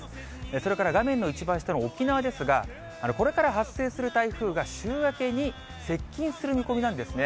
それから画面の一番下の沖縄ですが、これから発生する台風が週明けに接近する見込みなんですね。